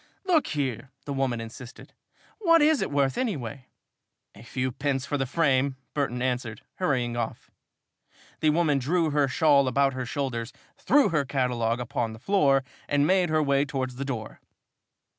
"Look here," the woman insisted, "what is it worth, anyway?" "A few pence for the frame," Burton answered, hurrying off. The woman drew her shawl about her shoulders, threw her catalogue upon the floor and made her way towards the door.